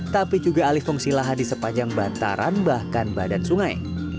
tapi juga alih fungsi lahan di sepanjang bantaran bahkan badan sungai